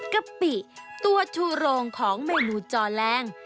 กะปิตัวชูโรงของเมนูจอแรง